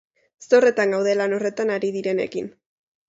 Zorretan gaude lan horretan ari direnekin.